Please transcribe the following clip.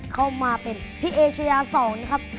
เข้ามาเป็นพี่เอเชยา๒นะครับ